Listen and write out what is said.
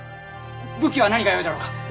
武器は何がよいだろうか。